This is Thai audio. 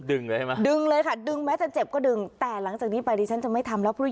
เลยใช่ไหมดึงเลยค่ะดึงแม้จะเจ็บก็ดึงแต่หลังจากนี้ไปดิฉันจะไม่ทำแล้ว